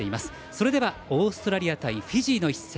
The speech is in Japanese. それではオーストラリア対フィジーの一戦。